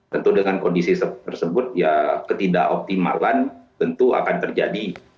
tentu dengan kondisi tersebut ya ketidakoptimalan tentu akan terjadi